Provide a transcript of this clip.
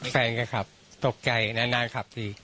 แฟนคลับตกใจนานขับที